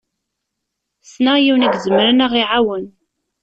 Ssneɣ yiwen i izemren ad ɣ-iɛawen.